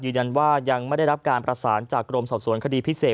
ยืนยันว่ายังไม่ได้รับการประสานจากกรมสอบสวนคดีพิเศษ